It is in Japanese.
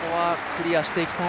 クリアした！